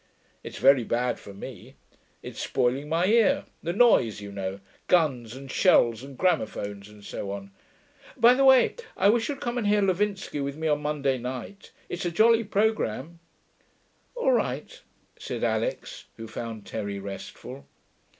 It's very bad for me; it's spoiling my ear; the noise, you know; guns and shells and gramophones and so on.... By the way, I wish you'd come and hear Lovinski with me on Monday night, it's a jolly programme.' 'All right,' said Alix, who found Terry restful.